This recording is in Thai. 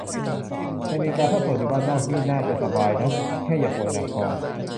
ในเมกา ถ้าโสด อยู่บ้านนอก นี่น่าจะสบายนะ แค่อย่าป่วยหนักพอ